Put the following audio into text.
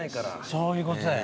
そういうことだよ。